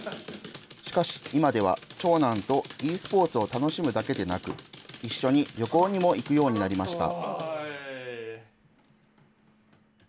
しかし今では、長男とｅスポーツを楽しむだけでなく、一緒に旅行にも行くようになりました。